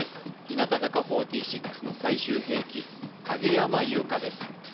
日向坂４６の最終兵器影山優佳です